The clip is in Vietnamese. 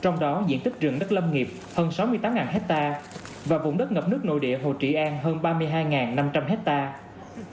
trong đó diện tích rừng đất lâm nghiệp hơn sáu mươi tám hectare và vùng đất ngập nước nội địa hồ trị an hơn ba mươi hai năm trăm linh hectare